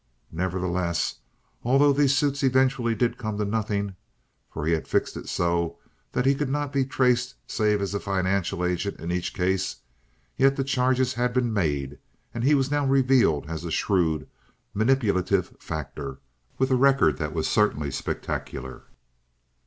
Nevertheless, although these suits eventually did come to nothing (for he had fixed it so that he could not be traced save as a financial agent in each case), yet the charges had been made, and he was now revealed as a shrewd, manipulative factor, with a record that was certainly spectacular.